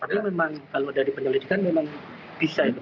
tapi memang kalau sudah dipenyelidikan memang bisa itu pak